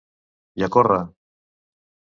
I a córrer.